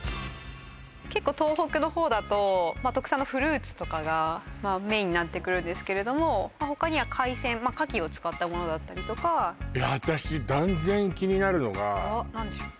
結構東北の方だと特産のフルーツとかがメインになってくるんですけれども他には海鮮まあかきを使ったものだったりとかいや私断然気になるのがあっ何でしょう？